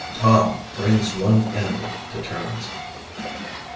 TOM BRINGS ONE ENEMY TO TERMS.